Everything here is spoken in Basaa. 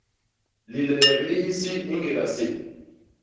Liledek li hisi i ñgéda sép.